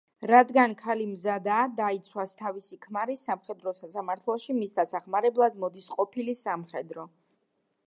რადგან ქალი მზადაა დაიცვას თავისი ქმარი სამხედრო სასამართლოში, მის დასახმარებლად მოდის ყოფილი სამხედრო.